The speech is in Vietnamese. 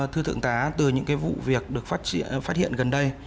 thưa thượng tá từ những vụ việc được phát hiện gần đây